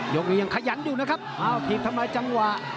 กนี้ยังขยันอยู่นะครับอ้าวถีบทำลายจังหวะ